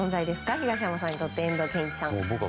東山さんにとって遠藤憲一さんは。